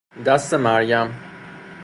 دست مریم